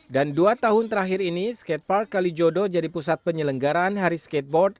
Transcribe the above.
dan dua tahun terakhir ini skatepark kalijodo jadi pusat penyelenggaran hari skateboard